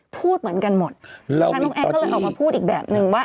พูดเหมือนกันหมดทางน้องแอดก็เลยออกมาพูดอีกแบบนึงว่า